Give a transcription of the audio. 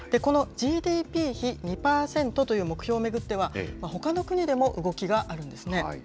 このＧＤＰ比２％という目標を巡っては、ほかの国でも動きがあるんですね。